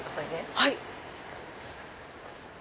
はい。